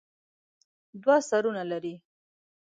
دوه سرونه لري.